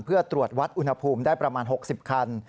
เพื่อตรวจวัดอุณหภูมิได้ประมาณ๖๐คัน